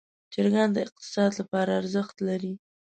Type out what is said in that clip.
چرګان د اقتصاد لپاره ارزښت لري.